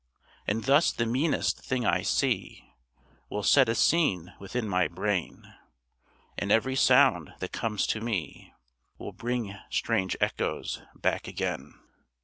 And thus the meanest thing I see Will set a scene within my brain, And every sound that comes to me, Will bring strange echoes back again.